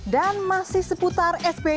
dan masih seputar sby